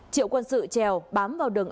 triệu quân sự trèo bám vào đường